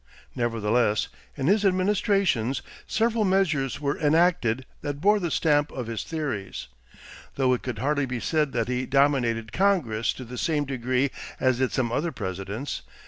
Nevertheless, in his administrations several measures were enacted that bore the stamp of his theories, though it could hardly be said that he dominated Congress to the same degree as did some other Presidents.